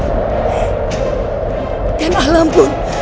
dan alam pun